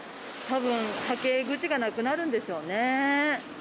たぶん、はけ口がなくなるんでしょうね。